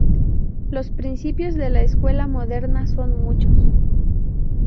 Los principios de la escuela Moderna son muchos.